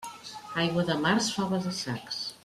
Aigua de març, faves a sacs.